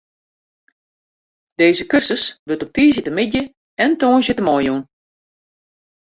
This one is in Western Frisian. Dizze kursus wurdt op tiisdeitemiddei en tongersdeitemoarn jûn.